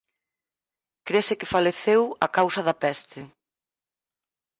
Crese que faleceu a causa da peste.